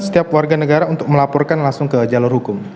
setiap warga negara untuk melaporkan langsung ke jalur hukum